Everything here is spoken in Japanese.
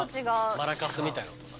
マラカスみたいな音だ。